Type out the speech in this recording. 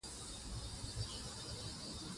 نورستان د افغانستان د اقتصادي ودې لپاره ارزښت لري.